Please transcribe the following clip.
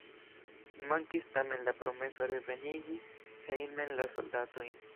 Mankis tamen la promeso revenigi hejmen la soldatojn.